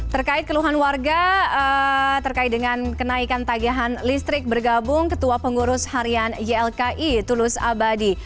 terkait keluhan warga terkait dengan kenaikan tagihan listrik bergabung ketua pengurus harian ylki tulus abadi